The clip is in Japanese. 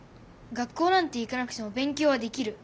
学校なんて行かなくてもべんきょうはできる。